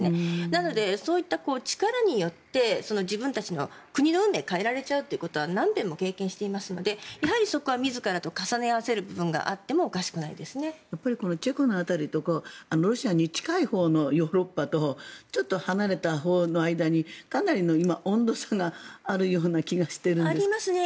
なので、そういった力によって自分たちの国の運命を変えられちゃうということは何遍も経験していますのでやはりそこは自らと重ね合わせる部分がチェコの部分とかロシアに近いほうのヨーロッパとちょっと離れたほうの間にかなりの温度差があるような気がしているんですが。